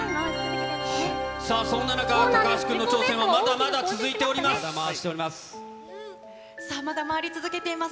さあ、そんな中、高橋君の挑戦はまだまだ続いております。